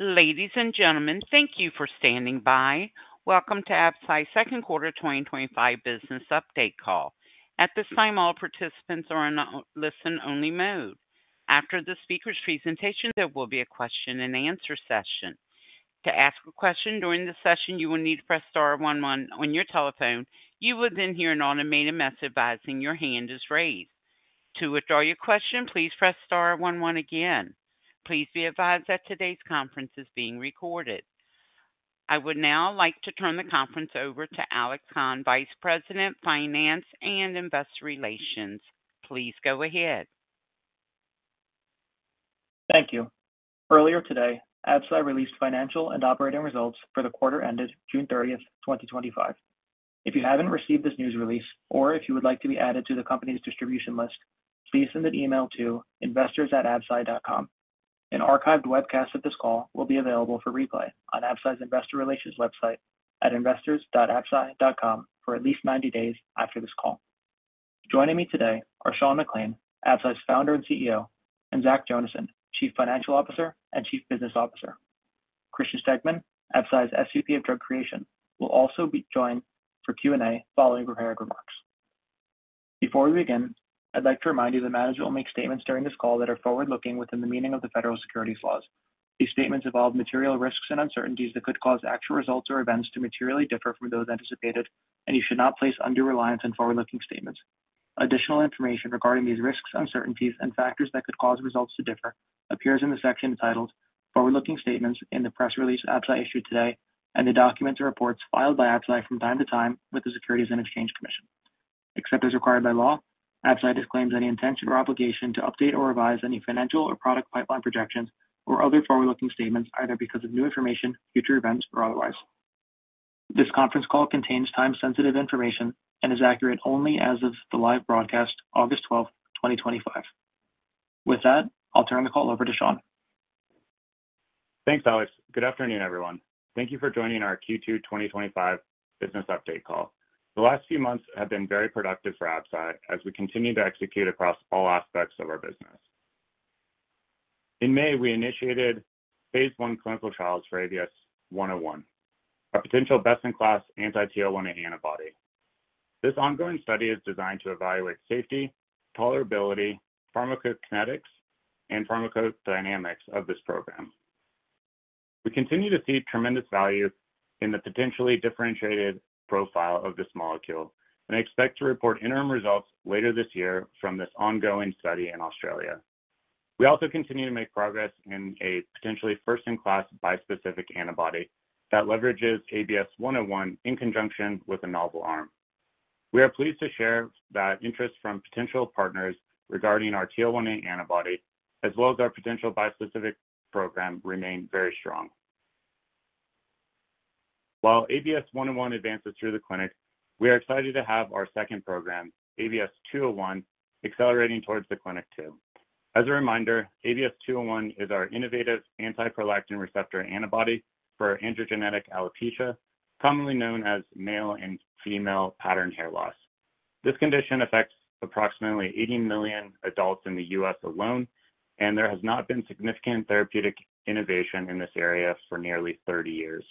Ladies and gentlemen, thank you for standing by. Welcome to Absci's Second Quarter 2025 Business Update Call. At this time, all participants are in a listen-only mode. After the speaker's presentation, there will be a question-and-answer session. To ask a question during the session, you will need to press star one one on your telephone. You will then hear an automated message advising your hand is raised. To withdraw your question, please press star one one again. Please be advised that today's conference is being recorded. I would now like to turn the conference over to Alec Khan, Vice President, Finance and Investor Relations. Please go ahead. Thank you. Earlier today, Absci released financial and operating results for the quarter ended June 30, 2025. If you haven't received this news release or if you would like to be added to the company's distribution list, please send an email to investors@absci.com. An archived webcast of this call will be available for replay on Absci's Investor Relations website at investors.absci.com for at least 90 days after this call. Joining me today are Sean McClain, Absci's Founder and CEO, and Zach Jonasson, Chief Financial Officer and Chief Business Officer. Christian Stegmann, Absci's Senior Vice President of Drug Creation, will also be joined for Q&A following prepared remarks. Before we begin, I'd like to remind you that management will make statements during this call that are forward-looking within the meaning of the Federal Securities Laws. These statements involve material risks and uncertainties that could cause actual results or events to materially differ from those anticipated, and you should not place undue reliance on forward-looking statements. Additional information regarding these risks, uncertainties, and factors that could cause results to differ appears in the section entitled Forward-Looking Statements in the press release Absci issued today and the documents and reports filed by Absci from time to time with the Securities and Exchange Commission. Except as required by law, Absci disclaims any intention or obligation to update or revise any financial or product pipeline projections or other forward-looking statements either because of new information, future events, or otherwise. This conference call contains time-sensitive information and is accurate only as of the live broadcast, August 12, 2025. With that, I'll turn the call over to Sean. Thanks, Alec. Good afternoon, everyone. Thank you for joining our Q2 2025 business update call. The last few months have been very productive for Absci as we continue to execute across all aspects of our business. In May, we initiated Phase I clinical trials for ABS101, a potential best-in-class anti-TL1A antibody. This ongoing study is designed to evaluate safety, tolerability, pharmacokinetics, and pharmacodynamics of this program. We continue to see tremendous value in the potentially differentiated profile of this molecule and expect to report interim results later this year from this ongoing study in Australia. We also continue to make progress in a potentially first-in-class bispecific antibody that leverages ABS101 in conjunction with a novel arm. We are pleased to share that interest from potential partners regarding our TL1A antibody, as well as our potential bispecific program, remains very strong. While ABS101 advances through the clinic, we are excited to have our second program, ABS201, accelerating towards the clinic too. As a reminder, ABS201 is our innovative anti-prolactin receptor antibody for androgenetic alopecia, commonly known as male and female pattern hair loss. This condition affects approximately 80 million adults in the U.S. alone, and there has not been significant therapeutic innovation in this area for nearly 30 years.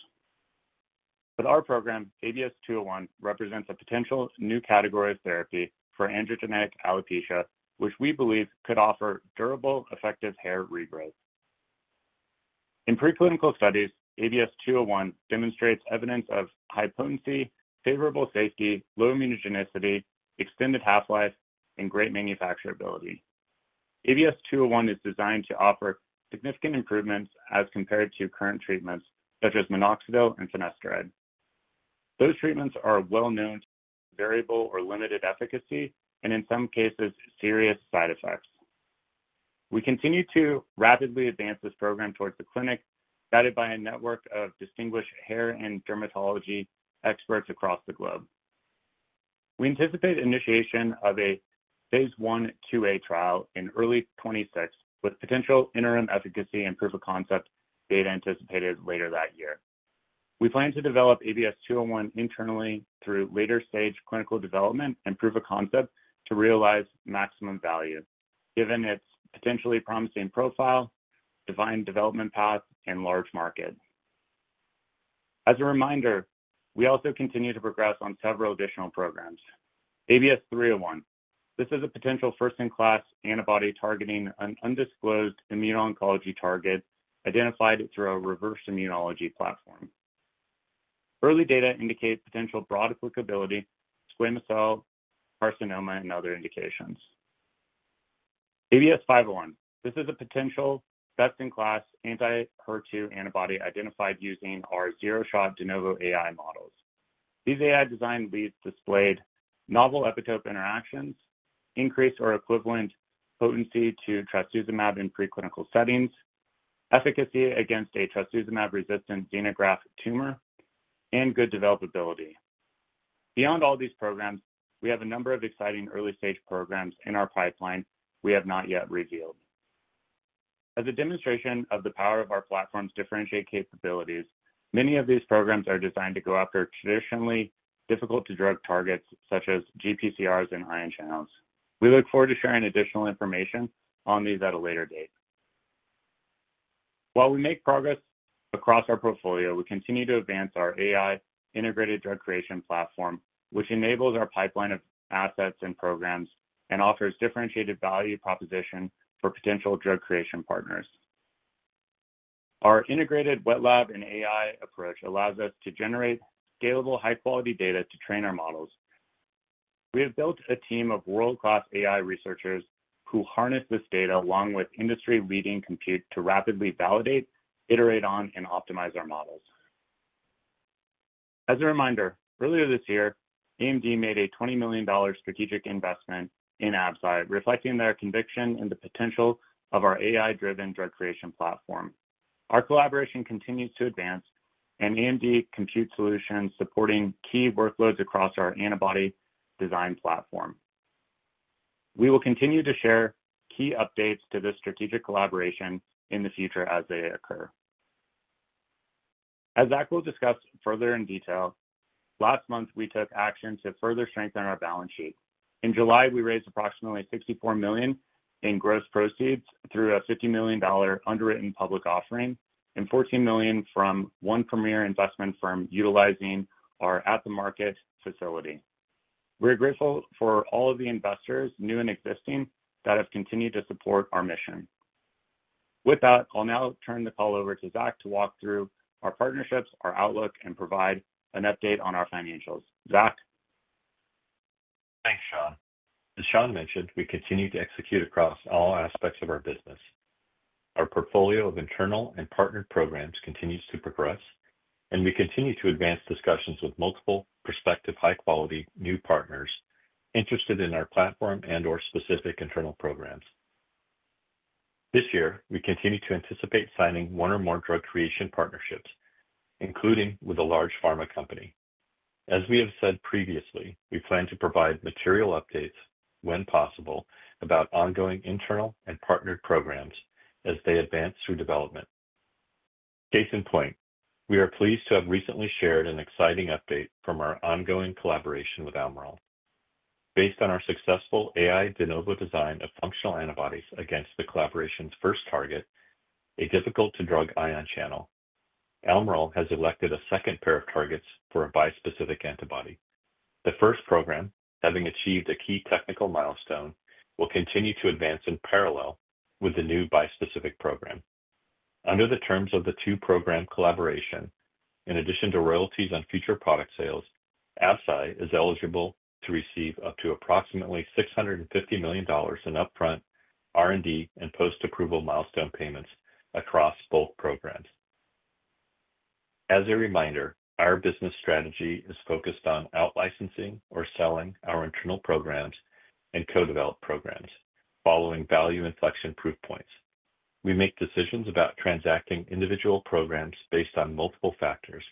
With our program, ABS201 represents a potential new category of therapy for androgenetic alopecia, which we believe could offer durable, effective hair regrowth. In preclinical studies, ABS201 demonstrates evidence of high potency, favorable safety, low immunogenicity, extended half-life, and great manufacturability. ABS201 is designed to offer significant improvements as compared to current treatments such as minoxidil and finasteride. Those treatments are well-known to have variable or limited efficacy and, in some cases, serious side effects. We continue to rapidly advance this program towards the clinic, guided by a network of distinguished hair and dermatology experts across the globe. We anticipate initiation of a Phase I/II-A trial in early 2026, with potential interim efficacy and proof of concept data anticipated later that year. We plan to develop ABS201 internally through later-stage clinical development and proof of concept to realize maximum value, given its potentially promising profile, defined development path, and large market. As a reminder, we also continue to progress on several additional programs. ABS301, this is a potential first-in-class antibody targeting an undisclosed immuno-oncology target identified through a reverse immunology platform. Early data indicate potential broad applicability in squamous cell carcinoma and other indications. ABS501, this is a potential best-in-class anti-HER2 antibody identified using our zero-shot de novo AI models. These AI-designed leads displayed novel epitope interactions, increased or equivalent potency to trastuzumab in preclinical settings, efficacy against a trastuzumab-resistant xenograft tumor, and good developability. Beyond all these programs, we have a number of exciting early-stage programs in our pipeline we have not yet revealed. As a demonstration of the power of our platform's differentiated capabilities, many of these programs are designed to go after traditionally difficult-to-drug targets such as GPCRs and ion channels. We look forward to sharing additional information on these at a later date. While we make progress across our portfolio, we continue to advance our AI-integrated drug creation platform, which enables our pipeline of assets and programs and offers differentiated value proposition for potential drug creation partners. Our integrated wet lab and AI approach allows us to generate scalable high-quality data to train our models. We have built a team of world-class AI researchers who harness this data along with industry-leading compute to rapidly validate, iterate on, and optimize our models. As a reminder, earlier this year, AMD made a $20 million strategic investment in Absci, reflecting their conviction in the potential of our AI-driven drug creation platform. Our collaboration continues to advance, and AMD compute solutions support key workloads across our antibody design platform. We will continue to share key updates to this strategic collaboration in the future as they occur. As Zach will discuss further in detail, last month we took action to further strengthen our balance sheet. In July, we raised approximately $64 million in gross proceeds through a $50 million underwritten public offering and $14 million from one premier investment firm utilizing our ATM facility. We're grateful for all of the investors, new and existing, that have continued to support our mission. With that, I'll now turn the call over to Zach to walk through our partnerships, our outlook, and provide an update on our financials. Zach? Thanks, Sean. As Sean mentioned, we continue to execute across all aspects of our business. Our portfolio of internal and partner programs continues to progress, and we continue to advance discussions with multiple prospective high-quality new partners interested in our platform and/or specific internal programs. This year, we continue to anticipate signing one or more drug creation partnerships, including with a large pharma company. As we have said previously, we plan to provide material updates, when possible, about ongoing internal and partner programs as they advance through development. Case in point, we are pleased to have recently shared an exciting update from our ongoing collaboration with Almirall. Based on our successful AI de novo design of functional antibodies against the collaboration's first target, a difficult-to-drug ion channel, Almirall has elected a second pair of targets for a bispecific antibody. The first program, having achieved a key technical milestone, will continue to advance in parallel with the new bispecific program. Under the terms of the two-program collaboration, in addition to royalties on future product sales, Absci is eligible to receive up to approximately $650 million in upfront R&D and post-approval milestone payments across both programs. As a reminder, our business strategy is focused on out-licensing or selling our internal programs and co-developed programs following value inflection proof points. We make decisions about transacting individual programs based on multiple factors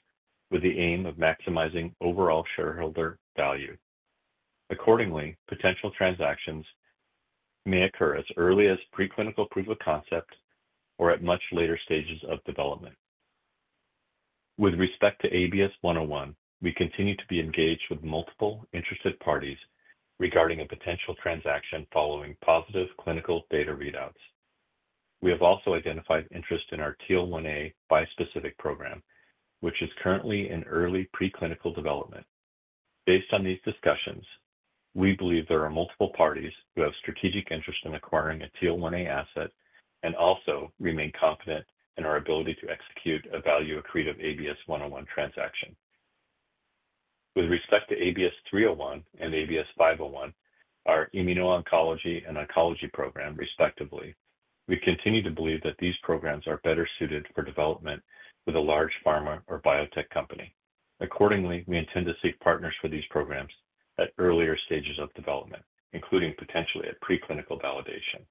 with the aim of maximizing overall shareholder value. Accordingly, potential transactions may occur as early as preclinical proof of concept or at much later stages of development. With respect to ABS101, we continue to be engaged with multiple interested parties regarding a potential transaction following positive clinical data readouts. We have also identified interest in our TL1A bispecific program, which is currently in early preclinical development. Based on these discussions, we believe there are multiple parties who have strategic interest in acquiring a TL1A asset and also remain confident in our ability to execute a value accretive ABS101 transaction. With respect to ABS301 and ABS501, our immuno-oncology and oncology program respectively, we continue to believe that these programs are better suited for development with a large pharma or biotech company. Accordingly, we intend to seek partners for these programs at earlier stages of development, including potentially at preclinical validation.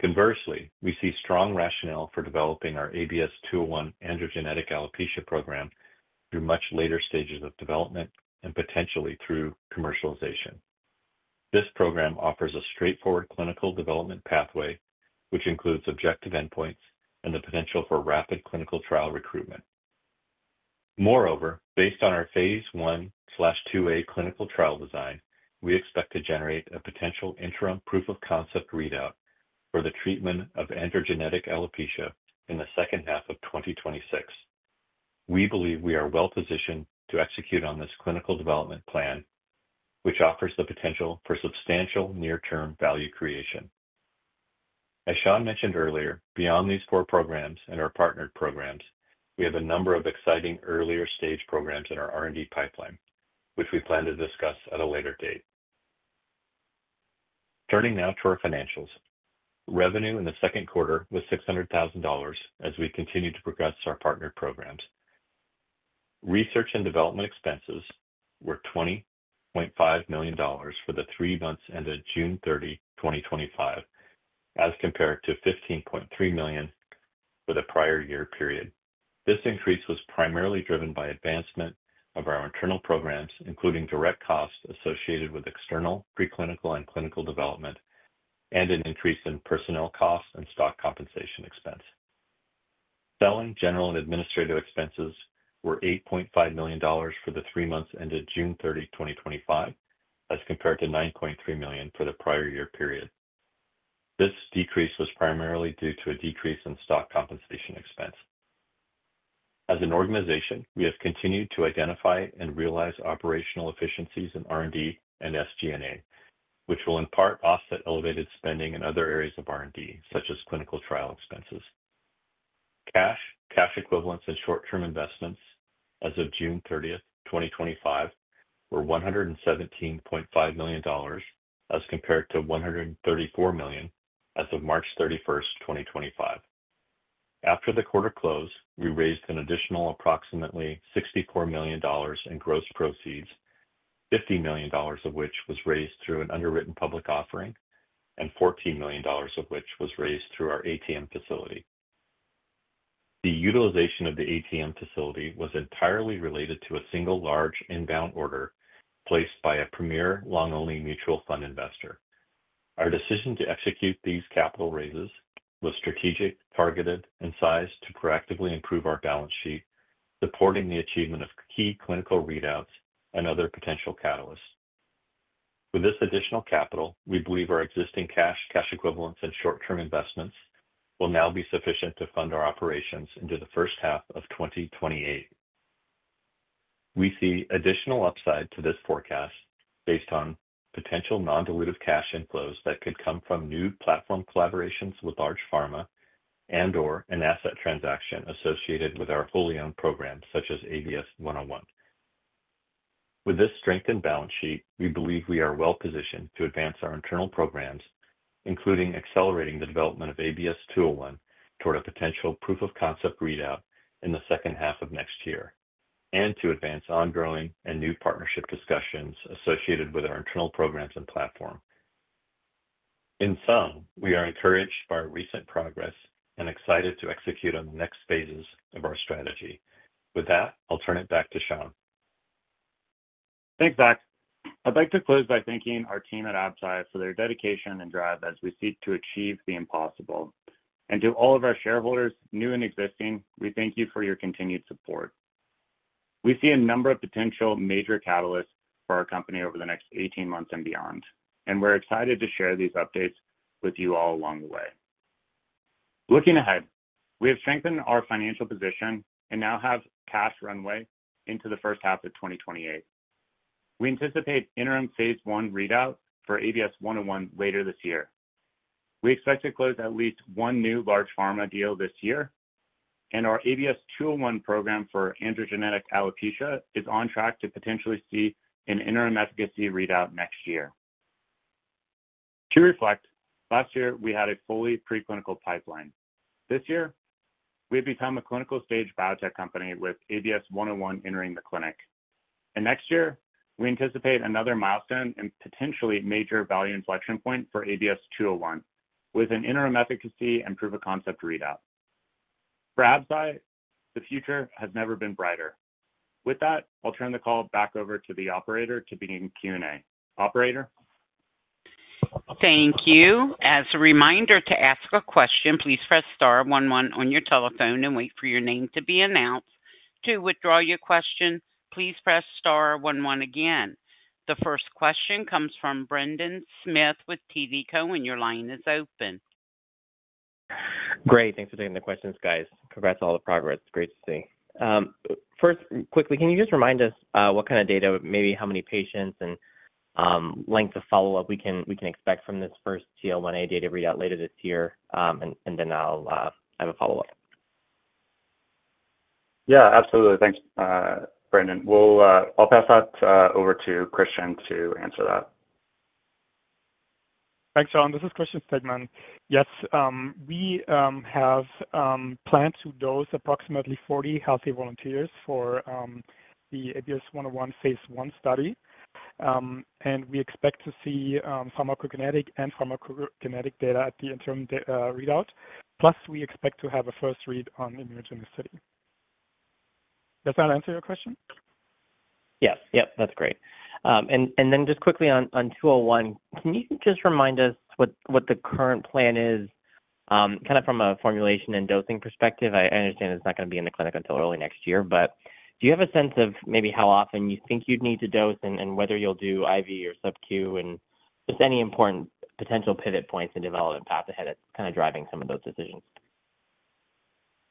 Conversely, we see strong rationale for developing our ABS201 androgenetic alopecia program through much later stages of development and potentially through commercialization. This program offers a straightforward clinical development pathway, which includes objective endpoints and the potential for rapid clinical trial recruitment. Moreover, based on our Phase l/ll-A clinical trial design, we expect to generate a potential interim proof of concept readout for the treatment of androgenetic alopecia in the second half of 2026. We believe we are well-positioned to execute on this clinical development plan, which offers the potential for substantial near-term value creation. As Sean mentioned earlier, beyond these four programs and our partner programs, we have a number of exciting earlier-stage programs in our R&D pipeline, which we plan to discuss at a later date. Turning now to our financials, revenue in the second quarter was $600,000 as we continue to progress our partner programs. Research and development expenses were $20.5 million for the three months ended June 30, 2025, as compared to $15.3 million for the prior year period. This increase was primarily driven by advancement of our internal programs, including direct costs associated with external preclinical and clinical development and an increase in personnel costs and stock compensation expense. Selling, general, and administrative expenses were $8.5 million for the three months ended June 30, 2025, as compared to $9.3 million for the prior year period. This decrease was primarily due to a decrease in stock compensation expense. As an organization, we have continued to identify and realize operational efficiencies in R&D and SG&A, which will in part offset elevated spending in other areas of R&D, such as clinical trial expenses. Cash, cash equivalents, and short-term investments as of June 30, 2025, were $117.5 million, as compared to $134 million as of March 31, 2025. After the quarter closed, we raised an additional approximately $64 million in gross proceeds, $50 million of which was raised through an underwritten public offering and $14 million of which was raised through our ATM facility. The utilization of the ATM facility was entirely related to a single large inbound order placed by a premier long-only mutual fund investor. Our decision to execute these capital raises was strategic, targeted, and sized to proactively improve our balance sheet, supporting the achievement of key clinical readouts and other potential catalysts. With this additional capital, we believe our existing cash, cash equivalents, and short-term investments will now be sufficient to fund our operations into the first half of 2028. We see additional upside to this forecast based on potential non-dilutive cash inflows that could come from new platform collaborations with large pharma and/or an asset transaction associated with our fully owned program, such as ABS101. With this strengthened balance sheet, we believe we are well-positioned to advance our internal programs, including accelerating the development of ABS201 toward a potential proof of concept readout in the second half of next year, and to advance ongoing and new partnership discussions associated with our internal programs and platform. In sum, we are encouraged by our recent progress and excited to execute on the next phases of our strategy. With that, I'll turn it back to Sean. Thanks, Zach. I'd like to close by thanking our team at Absci for their dedication and drive as we seek to achieve the impossible. To all of our shareholders, new and existing, we thank you for your continued support. We see a number of potential major catalysts for our company over the next 18 months and beyond, and we're excited to share these updates with you all along the way. Looking ahead, we have strengthened our financial position and now have cash runway into the first half of 2028. We anticipate interim Phase l readout for ABS101 later this year. We expect to close at least one new large pharma deal this year, and our ABS201 program for androgenetic alopecia is on track to potentially see an interim efficacy readout next year. To reflect, last year we had a fully preclinical pipeline. This year, we've become a clinical-stage biotech company with ABS101 entering the clinic. Next year, we anticipate another milestone and potentially major value inflection point for ABS201 with an interim efficacy and proof of concept readout. For Absci, the future has never been brighter. With that, I'll turn the call back over to the operator to begin Q&A. Operator? Thank you. As a reminder, to ask a question, please press star one one on your telephone and wait for your name to be announced. To withdraw your question, please press star one one again. The first question comes from Brendan Smith with TVCO, and your line is open. Great. Thanks for taking the questions, guys. Congrats on all the progress. It's great to see. First, quickly, can you just remind us what kind of data, maybe how many patients and length of follow-up we can expect from this first TL1A data readout later this year? I'll have a follow-up. Yeah, absolutely. Thanks, Brendan. I'll pass that over to Christian to answer that. Thanks, Sean. This is Christian Stegmann. Yes, we have planned to dose approximately 40 healthy volunteers for the ABS101 Phase l study. We expect to see pharmacokinetic and pharmacogenetic data at the interim readout. Plus, we expect to have a first read on immunogenicity. Does that answer your question? Yes, that's great. Just quickly on ABS201, can you remind us what the current plan is from a formulation and dosing perspective? I understand it's not going to be in the clinic until early next year, but do you have a sense of maybe how often you think you'd need to dose and whether you'll do IV or sub-Q, and any important potential pivot points in the development path ahead that's driving some of those decisions?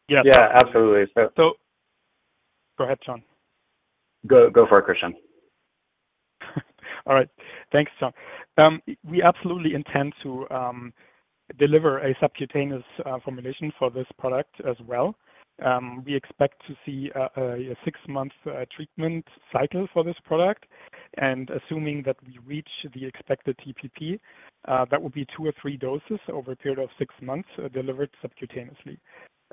Yeah, absolutely. Go ahead, Sean. Go for it, Christian. All right. Thanks, Sean. We absolutely intend to deliver a subcutaneous formulation for this product as well. We expect to see a six-month treatment cycle for this product. Assuming that we reach the expected TPT, that would be two or three doses over a period of six months delivered subcutaneously.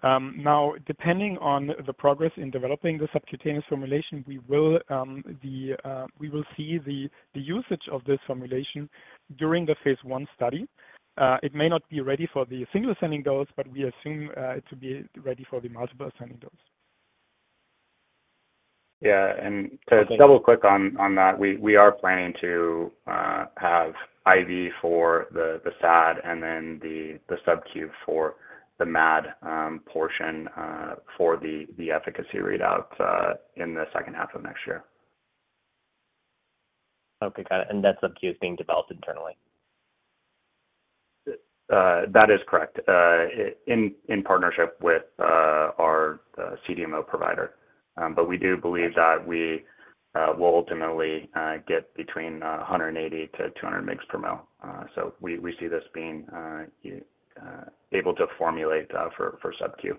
Depending on the progress in developing the subcutaneous formulation, we will see the usage of this formulation during Phase I clinical trial. It may not be ready for the single-ascending dose, but we assume it to be ready for the multiple-ascending dose. Yeah, to double-click on that, we are planning to have IV for the FAD and then the sub-Q for the MAD portion for the efficacy readout in the second half of next year. Okay. Got it. That sub-Q is being developed internally? That is correct, in partnership with our CDMO provider. We do believe that we will ultimately get between 180mg/ML-200 mg/mL. We see this being able to formulate for sub-Q.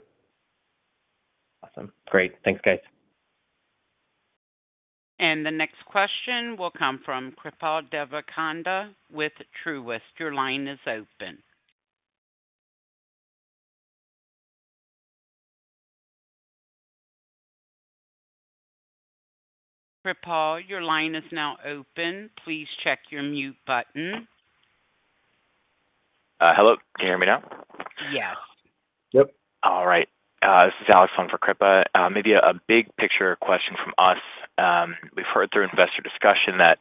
Awesome. Great. Thanks, guys. The next question will come from Kripa Devakanda with Truist. Your line is open. Kripal, your line is now open. Please check your mute button. Hello. Can you hear me now? Yes. All right. This is Alex for Kripa. Maybe a big-picture question from us. We've heard through investor discussion that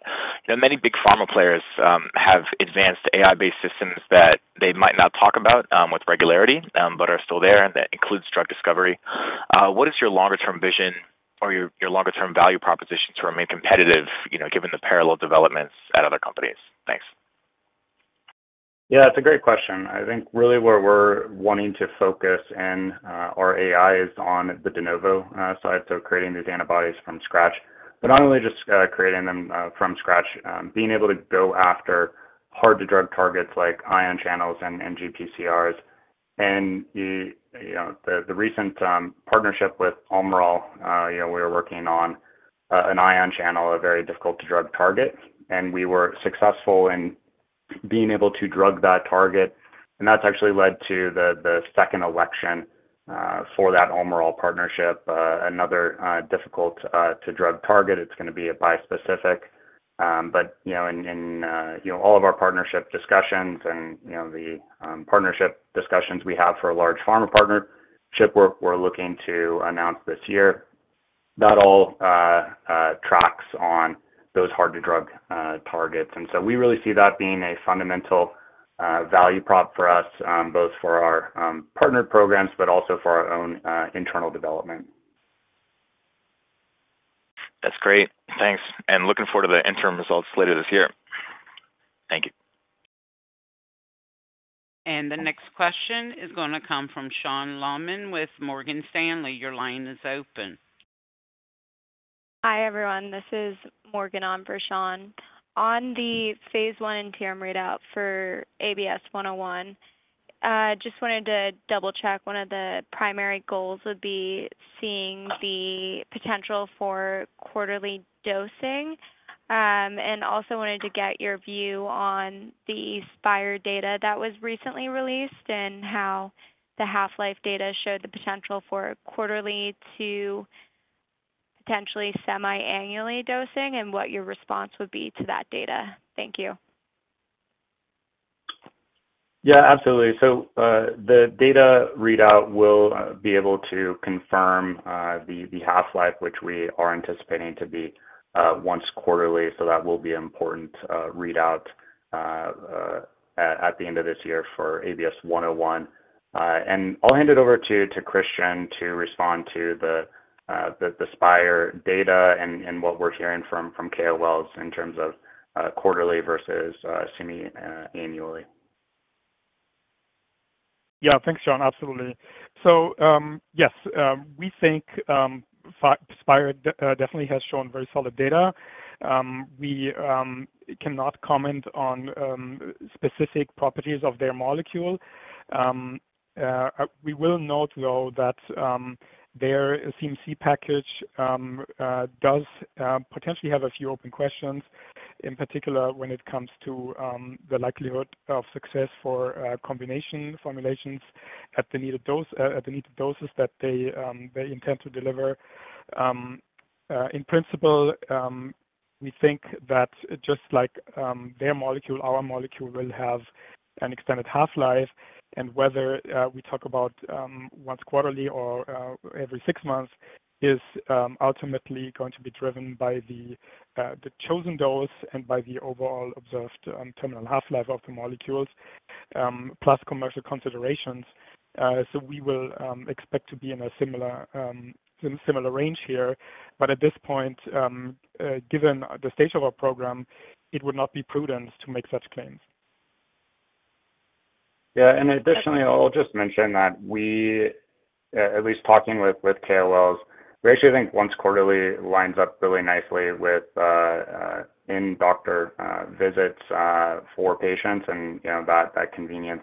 many big pharma players have advanced AI-based systems that they might not talk about with regularity, but are still there, and that includes drug discovery. What is your longer-term vision or your longer-term value proposition to remain competitive, you know, given the parallel developments at other companies? Thanks. Yeah, that's a great question. I think really where we're wanting to focus in our AI is on the de novo side, so creating these antibodies from scratch. Not only just creating them from scratch, being able to go after hard-to-drug targets like ion channels and GPCRs. The recent partnership with Almirall, we were working on an ion channel, a very difficult-to-drug target. We were successful in being able to drug that target. That's actually led to the second election for that Almirall partnership, another difficult-to-drug target. It's going to be a bispecific. In all of our partnership discussions and the partnership discussions we have for a large pharma partnership, we're looking to announce this year. That all tracks on those hard-to-drug targets. We really see that being a fundamental value prop for us, both for our partner programs, but also for our own internal development. That's great. Thank you. Looking forward to the interim results later this year. The next question is going to come from Sean Lahman with Morgan Stanley. Your line is open. Hi, everyone. This is Morgan on for Sean. On Phase I clinical trial readout for ABS101, I just wanted to double-check one of the primary goals would be seeing the potential for quarterly dosing. I also wanted to get your view on the Aspire data that was recently released and how the half-life data showed the potential for quarterly to potentially semi-annual dosing and what your response would be to that data. Thank you. Absolutely. The data readout will be able to confirm the half-life, which we are anticipating to be once quarterly. That will be an important readout at the end of this year for ABS101. I'll hand it over to Christian to respond to the Aspire data and what we're hearing from KOLs in terms of quarterly versus semi-annually. Yeah, thanks, Sean. Absolutely. Yes, we think Aspire definitely has shown very solid data. We cannot comment on specific properties of their molecule. We will note, though, that their CMC package does potentially have a few open questions, in particular when it comes to the likelihood of success for combination formulations at the needed doses that they intend to deliver. In principle, we think that just like their molecule, our molecule will have an extended half-life. Whether we talk about once quarterly or every six months is ultimately going to be driven by the chosen dose and by the overall observed terminal half-life of the molecules, plus commercial considerations. We will expect to be in a similar range here. At this point, given the stage of our program, it would not be prudent to make such claims. Yeah, I definitely will just mention that we, at least talking with KOLs, actually think once quarterly lines up really nicely with in-doctor visits for patients. That convenience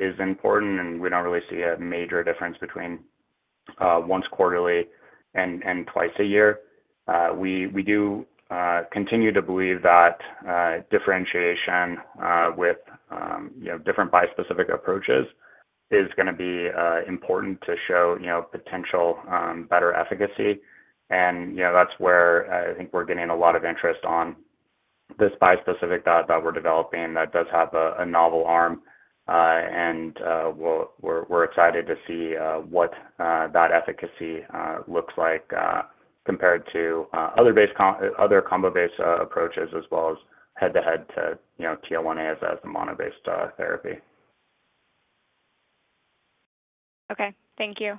is important, and we don't really see a major difference between once quarterly and twice a year. We do continue to believe that differentiation with different bispecific approaches is going to be important to show potential better efficacy. That's where I think we're getting a lot of interest on this bispecific that we're developing that does have a novel arm. We're excited to see what that efficacy looks like compared to other combo-based approaches, as well as head-to-head to TL1A as a mono based therapy. Okay, thank you.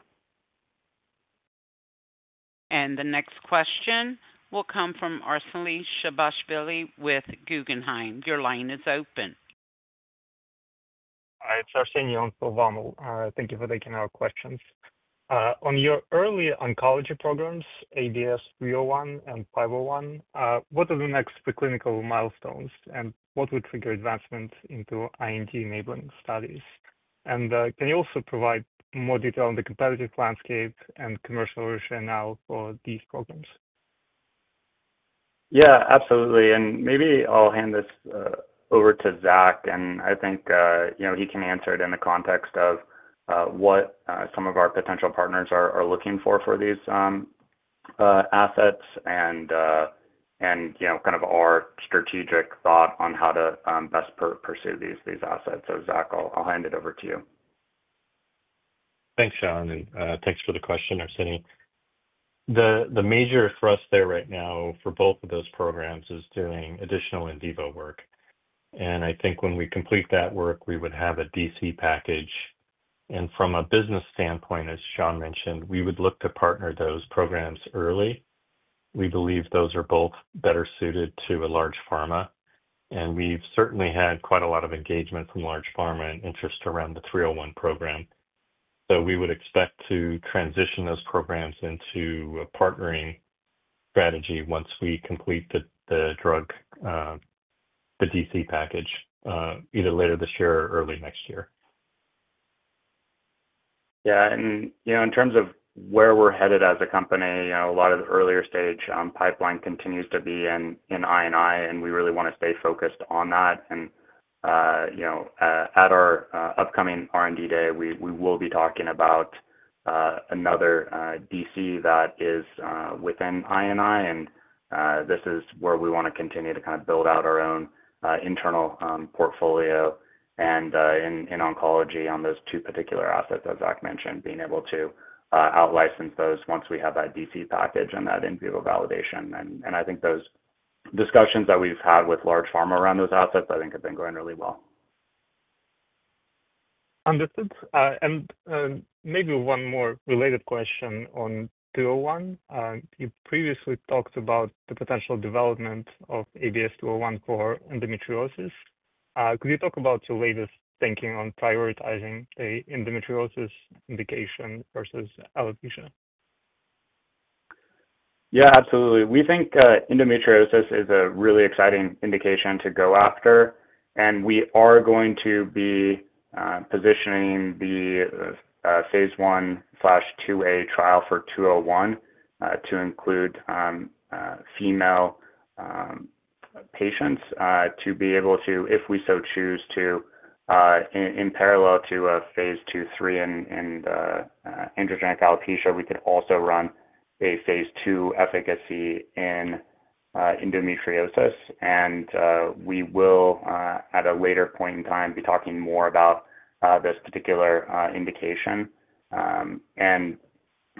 The next question will come from Arseniy Shabashvili with Guggenheim. Your line is open. It's Arseniy for Guggenheim. Thank you for taking our questions. On your early oncology programs, ABS301 and 501, what are the next preclinical milestones and what would trigger advancement into IND enabling studies? Can you also provide more detail on the competitive landscape and commercial rationale for these programs? Absolutely. Maybe I'll hand this over to Zach, and I think he can answer it in the context of what some of our potential partners are looking for for these assets and our strategic thought on how to best pursue these assets. Zach, I'll hand it over to you. Thanks, Sean, and thanks for the question, Arseniy. The major thrust there right now for both of those programs is doing additional in vivo work. I think when we complete that work, we would have a DC package. From a business standpoint, as Sean mentioned, we would look to partner those programs early. We believe those are both better suited to a large pharma. We've certainly had quite a lot of engagement from large pharma and interest around the 301 program. We would expect to transition those programs into a partnering strategy once we complete the drug, the DC package, either later this year or early next year. Yeah, in terms of where we're headed as a company, a lot of the earlier stage pipeline continues to be in INI, and we really want to stay focused on that. At our upcoming R&D day, we will be talking about another DC that is within INI. This is where we want to continue to build out our own internal portfolio and in oncology on those two particular assets that Zach mentioned, being able to out-license those once we have that DC package and that in vivo validation. I think those discussions that we've had with large pharma around those assets have been going really well. Understood. Maybe one more related question on 201. You previously talked about the potential development of ABS201 for endometriosis. Could you talk about your latest thinking on prioritizing the endometriosis indication versus alopecia? Yeah, absolutely. We think endometriosis is a really exciting indication to go after. We are going to be positioning the Phase l/ll-A trial for 201 to include female patients to be able to, if we so choose to, in parallel to a Phase ll, lll in the androgenetic alopecia, we could also run a Phase ll efficacy in endometriosis. We will, at a later point in time, be talking more about this particular indication.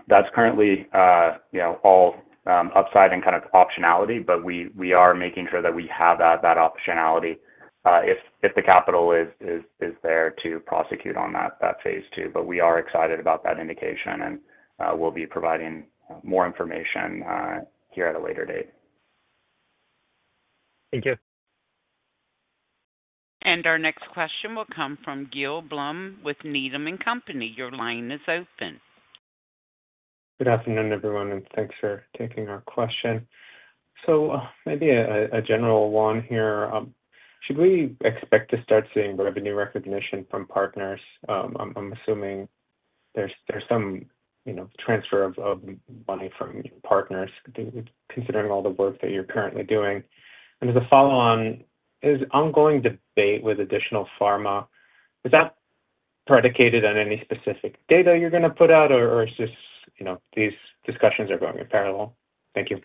That is currently all upside and kind of optionality, but we are making sure that we have that optionality if the capital is there to prosecute on that Phase ll. We are excited about that indication and will be providing more information here at a later date. Thank you. Our next question will come from Gil Blum with Needham & Company. Your line is open. Good afternoon, everyone, and thanks for taking our question. Maybe a general one here. Should we expect to start seeing revenue recognition from partners? I'm assuming there's some transfer of money from partners considering all the work that you're currently doing. As a follow-on, is ongoing debate with additional pharma predicated on any specific data you're going to put out, or are these discussions going in parallel? Thank you.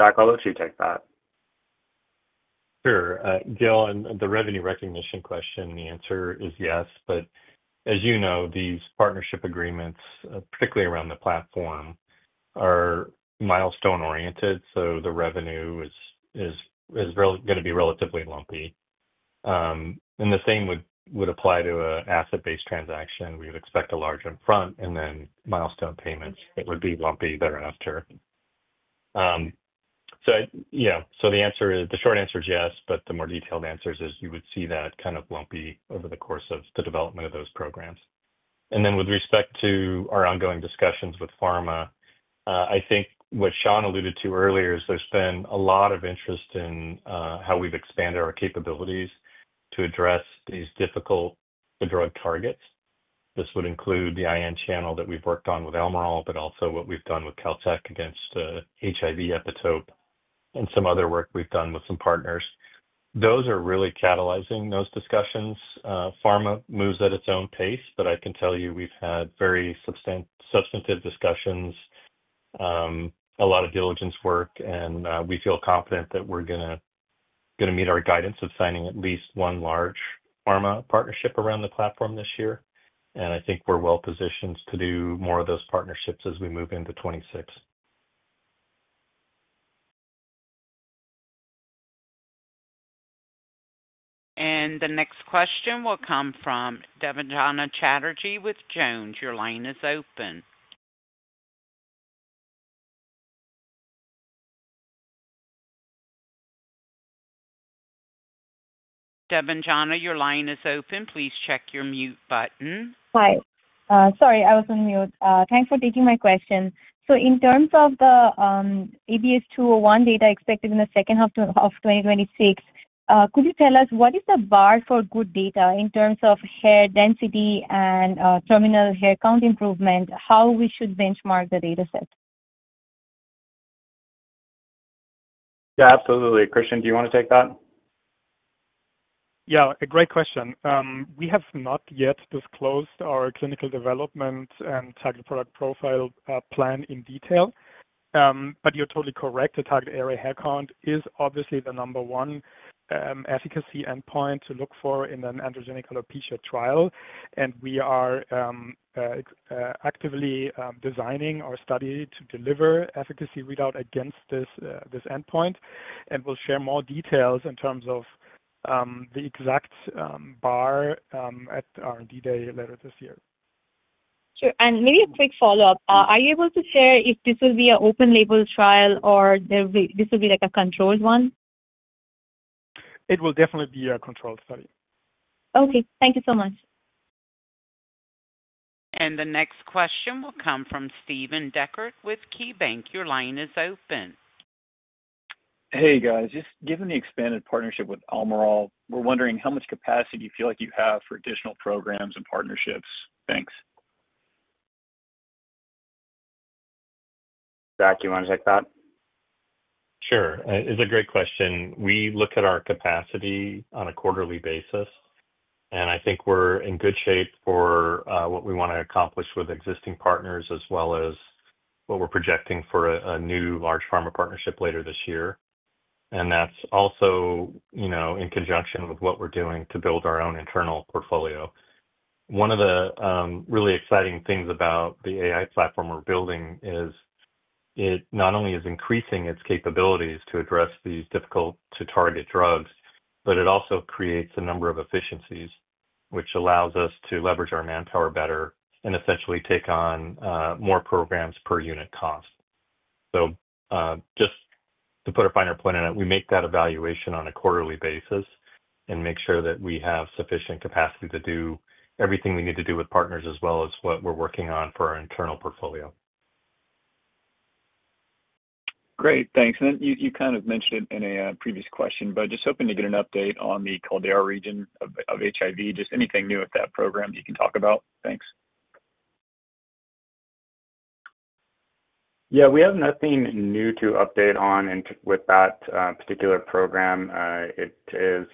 Zach, I'll let you take that. Sure. Gil, on the revenue recognition question, the answer is yes. As you know, these partnership agreements, particularly around the platform, are milestone oriented. The revenue is going to be relatively lumpy. The same would apply to an asset-based transaction. We would expect a large upfront and then milestone payments. It would be lumpy thereafter. The short answer is yes, but the more detailed answer is you would see that kind of lumpy over the course of the development of those programs. With respect to our ongoing discussions with pharma, I think what Sean alluded to earlier is there's been a lot of interest in how we've expanded our capabilities to address these difficult-to-drug targets. This would include the ion channel that we've worked on with Almirall, but also what we've done with Caltech against the HIV epitope and some other work we've done with some partners. Those are really catalyzing those discussions. Pharma moves at its own pace, but I can tell you we've had very substantive discussions, a lot of diligence work, and we feel confident that we're going to meet our guidance of signing at least one large pharma partnership around the platform this year. I think we're well-positioned to do more of those partnerships as we move into 2026. The next question will come from Debanjana Chatterjee with Jones. Your line is open. Debanjana, your line is open. Please check your mute button. Sorry, I was on mute. Thanks for taking my question. In terms of the ABS201 data expected in the second half of 2026, could you tell us what is the bar for good data in terms of hair density and terminal hair count improvement, how we should benchmark the dataset? Yeah, absolutely. Christian, do you want to take that? Yeah, a great question. We have not yet disclosed our clinical development and target product profile plan in detail. You're totally correct. The target area hair count is obviously the number one efficacy endpoint to look for in an androgenetic alopecia trial. We are actively designing our study to deliver efficacy readout against this endpoint, and we'll share more details in terms of the exact bar at R&D day later this year. Sure. Maybe a quick follow-up. Are you able to share if this will be an open-label trial, or this will be like a controlled one? It will definitely be a controlled study. Okay, thank you so much. The next question will come from Stephen Deckert with KeyBank. Your line is open. Hey, guys. Just given the expanded partnership with Almirall, we're wondering how much capacity do you feel like you have for additional programs and partnerships? Thanks. Zach, do you want to take that? Sure. It's a great question. We look at our capacity on a quarterly basis. I think we're in good shape for what we want to accomplish with existing partners as well as what we're projecting for a new large pharma partnership later this year. That's also, you know, in conjunction with what we're doing to build our own internal portfolio. One of the really exciting things about the AI-integrated drug creation platform we're building is it not only is increasing its capabilities to address these difficult-to-target drugs, but it also creates a number of efficiencies, which allows us to leverage our manpower better and essentially take on more programs per unit cost. Just to put a finer point on it, we make that evaluation on a quarterly basis and make sure that we have sufficient capacity to do everything we need to do with partners as well as what we're working on for our internal portfolio. Thanks. You kind of mentioned it in a previous question, but just hoping to get an update on the Caldera region of HIV. Just anything new with that program that you can talk about? Thanks. We have nothing new to update on with that particular program. It is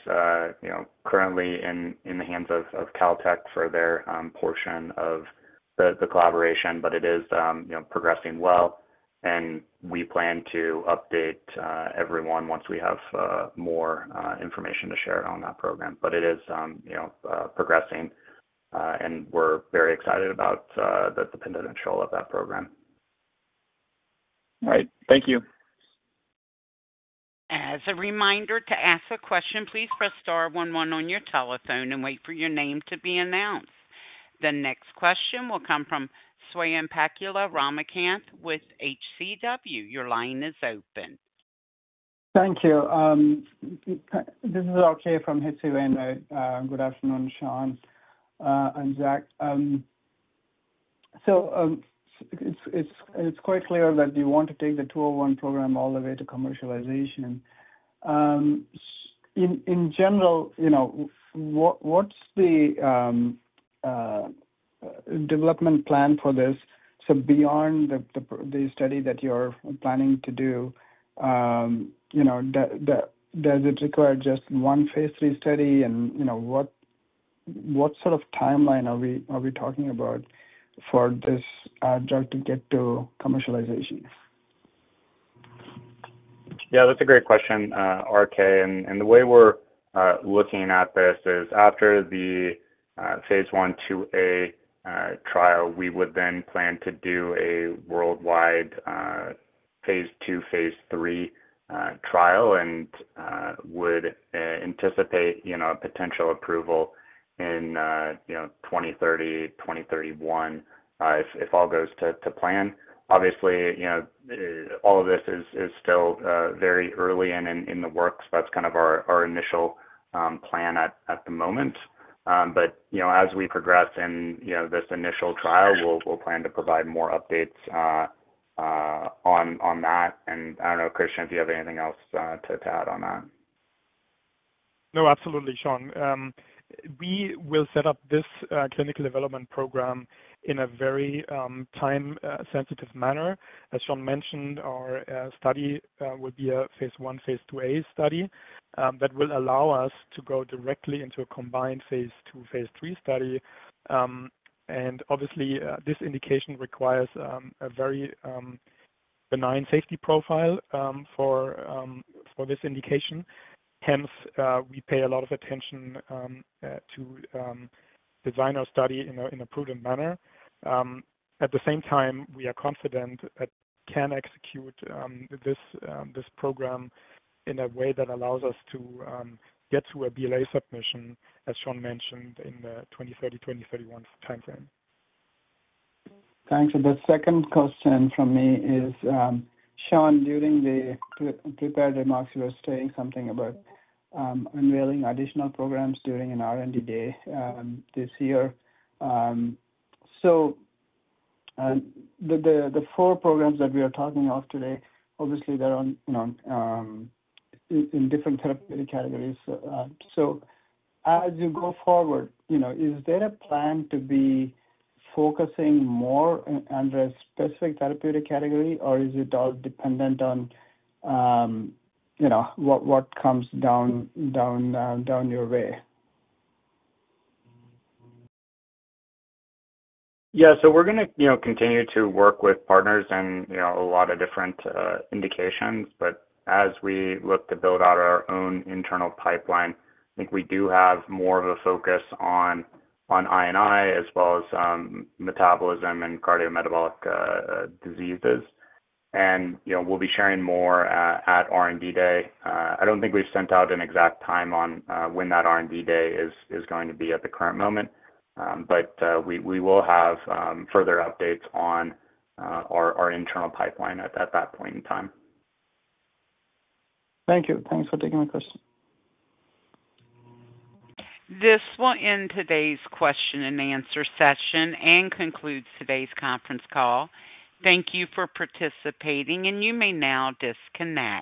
currently in the hands of Caltech for their portion of the collaboration, but it is progressing well. We plan to update everyone once we have more information to share on that program. It is progressing, and we're very excited about the potential of that program. All right. Thank you. As a reminder, to ask a question, please press star one one on your telephone and wait for your name to be announced. The next question will come from Swayampacula Ramakanth with HCW. Your line is open. Thank you. This is RK from H.C Wainwright. Good afternoon, Sean and Zach. It's quite clear that you want to take the 201 program all the way to commercialization. In general, what's the development plan for this? Beyond the study that you're planning to do, does it require just one Phase lll study? What sort of timeline are we talking about for this drug to get to commercialization? Yeah, that's a great question, RK. The way we're looking at this is after the Phase I/II-A trial, we would then plan to do a worldwide Phase II, Phase IIl trial and would anticipate a potential approval in 2030, 2031 if all goes to plan. Obviously, all of this is still very early and in the works. That's kind of our initial plan at the moment. As we progress in this initial trial, we'll plan to provide more updates on that. I don't know, Christian, if you have anything else to add on that. No, absolutely, Sean. We will set up this clinical development program in a very time-sensitive manner. As Sean mentioned, our study will be a Phase I, Phase II-A study that will allow us to go directly into a combined Phase II, Phase IIl study. Obviously, this indication requires a very benign safety profile for this indication. Hence, we pay a lot of attention to design our study in a prudent manner. At the same time, we are confident that we can execute this program in a way that allows us to get to a BLA submission, as Sean mentioned, in the 2030, 2031 timeframe. Thanks. The second question from me is, Sean, during the prepared remarks, you were saying something about unveiling additional programs during an R&D day this year. The four programs that we are talking of today, obviously, they're in different therapeutic categories. As you go forward, you know, is there a plan to be focusing more on a specific therapeutic category, or is it all dependent on, you know, what comes down your way? Yeah, we're going to continue to work with partners and, you know, a lot of different indications. As we look to build out our own internal pipeline, I think we do have more of a focus on INI as well as metabolism and cardiometabolic diseases. You know, we'll be sharing more at R&D day. I don't think we've sent out an exact time on when that R&D day is going to be at the current moment, but we will have further updates on our internal pipeline at that point in time. Thank you. Thanks for taking my question. This will end today's question and answer session and concludes today's conference call. Thank you for participating, and you may now disconnect.